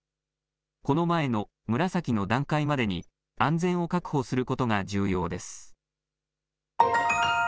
この前の紫の段階までに安全を確保することが重要です。